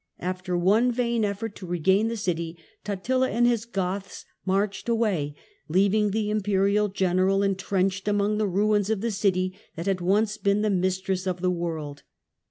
After one vain effort to regain the city Totila and his Goths marched away, leaving the Imperial general entrenched among the ruins of the city that had once been the mistress of the world.